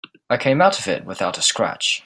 I came out of it without a scratch.